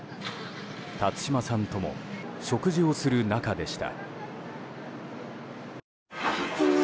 辰島さんとも食事をする仲でした。